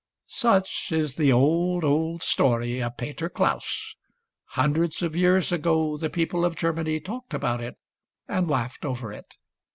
Such is the old, old story of Peter Klaus. Hun dreds of years ago the people of Germany talked about it and laughed over It.